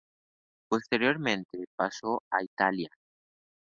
Posteriormente pasó a Italia.